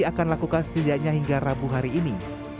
akan lakukan setidaknya hingga rabu hari ini